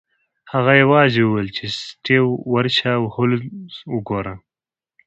هغه یوازې وویل چې سټیو ورشه او هولمز وګوره